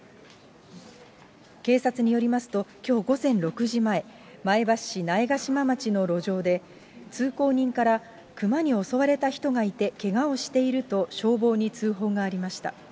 警察によりますと、きょう午前６時前、前橋市苗ヶ島町の路上で、通行人から熊に襲われた人がいてけがをしていると消防に通報がありました。